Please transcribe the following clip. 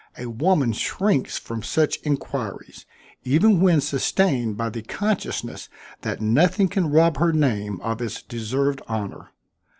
A woman shrinks from such inquiries, even when sustained by the consciousness that nothing can rob her name of its deserved honor.